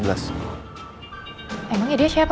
emang ya dia siapa